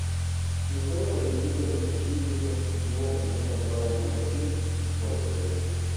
En los Juegos Olímpicos de Pekín dio positivo en un control antidoping por Esteroides.